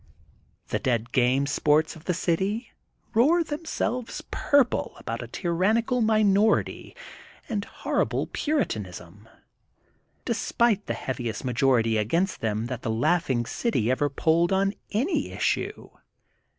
The dead game sports" of the city roar themselves purple about a ^* tyrannical minor ity" and horrible puritanism" despite the 208 THE GOLDEN BOOK OF SPRINGFIELD heaviest majority against them that the laughing city ever polled on any issue.